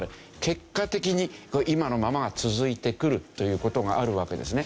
結果的に今のままが続いてくるという事があるわけですね。